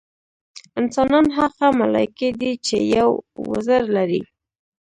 انسانان هغه ملایکې دي چې یو وزر لري.